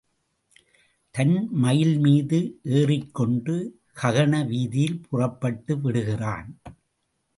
தன் மயில் மீது ஏறிக்கொண்டு ககன வீதியில் புறப்பட்டு விடுகிறான்.